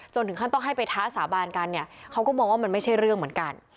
ถึงขั้นต้องให้ไปท้าสาบานกันเนี่ยเขาก็มองว่ามันไม่ใช่เรื่องเหมือนกัน